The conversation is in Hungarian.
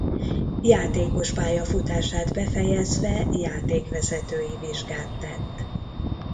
Játékos pályafutását befejezve játékvezetői vizsgát tett.